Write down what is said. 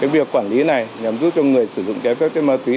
việc quản lý này nhằm giúp cho người sử dụng trái phép chất ma túy